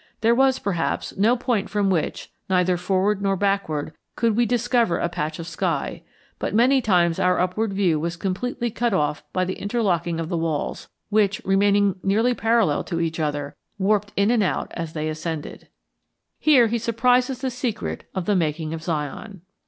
There was, perhaps, no point from which, neither forward nor backward, could we discover a patch of sky, but many times our upward view was completely cut off by the interlocking of the walls, which, remaining nearly parallel to each other, warped in and out as they ascended." Here he surprises the secret of the making of Zion.